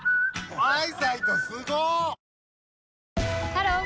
ハロー！